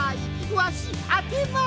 わしあけます！